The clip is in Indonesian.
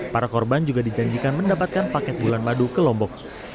para korban juga dijanjikan mendapatkan paket bulan madu ke lombok